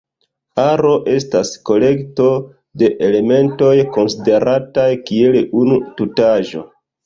Aro estas kolekto de elementoj konsiderataj kiel unu tutaĵo.